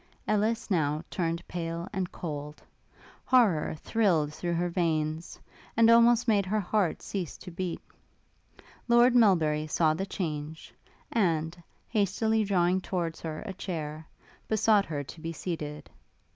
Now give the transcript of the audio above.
Ellis now turned pale and cold: horrour thrilled through her veins, and almost made her heart cease to beat. Lord Melbury saw the change, and, hastily drawing towards her a chair, besought her to be seated.